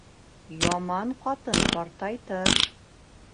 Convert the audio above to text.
Яман ҡатын ҡартайтыр.